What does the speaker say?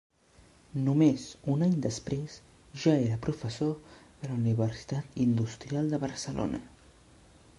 Només un any després ja era professor de la Universitat Industrial de Barcelona.